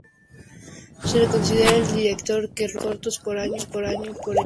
Se le considera el director que rueda más cortos por año en España.